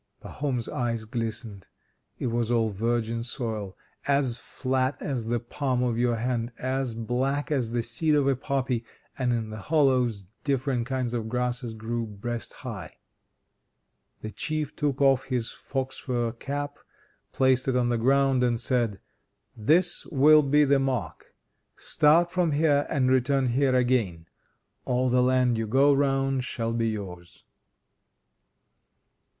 Pahom's eyes glistened: it was all virgin soil, as flat as the palm of your hand, as black as the seed of a poppy, and in the hollows different kinds of grasses grew breast high. The Chief took off his fox fur cap, placed it on the ground and said: "This will be the mark. Start from here, and return here again. All the land you go round shall be yours."